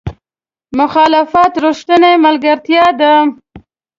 مخالفت رښتینې ملګرتیا ده.